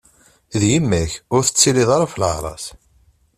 D yemma-k, ur teṭṭilliḍ ara ɣef leɛra-s.